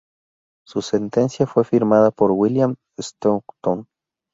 Su sentencia fue firmada por William Stoughton.